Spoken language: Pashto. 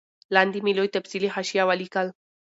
لاندي مي لوی تفصیلي حاشیه ولیکل